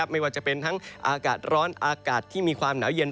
ไม่ว่าจะเป็นทั้งอากาศร้อนอากาศที่มีความหนาวเย็น